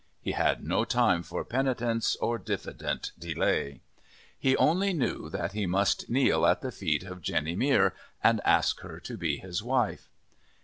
He had no time for penitence or diffident delay. He only knew that he must kneel at the feet of Jenny Mere and ask her to be his wife.